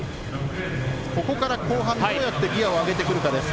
ここから後半、どうやってギアを上げてくるかです。